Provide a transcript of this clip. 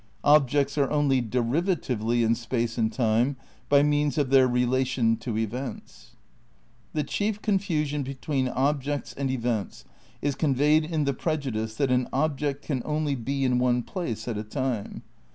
... "objects are only derivatively in space and time by means of their relation to events." ' "The chief confusion between objects and events is conveyed in the prejudice that an object can only be in one place at a time.